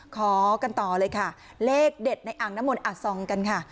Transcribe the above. ขอกันต่อเลยค่ะเลขเด็ดในอ่างน้ำมนต์อซองกันค่ะ